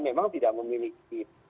memang tidak memiliki